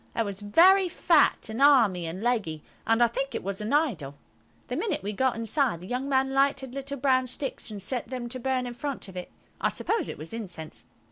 It was very fat and army and leggy, and I think it was an idol. The minute we got inside the young man lighted little brown sticks, and set them to burn in front of it. I suppose it was incense.